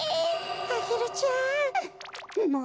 アゲルちゃん。